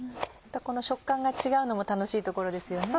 この食感が違うのも楽しいところですよね。